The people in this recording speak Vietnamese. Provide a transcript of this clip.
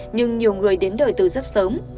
nhưng nhiều người đến đợi từ rất sớm